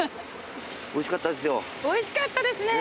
おいしかったですよ。